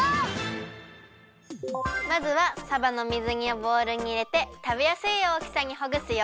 まずはさばの水煮をボウルにいれてたべやすいおおきさにほぐすよ。